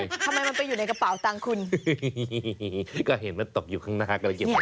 ทำไมมันไปอยู่ในกระเป๋าตังคุณ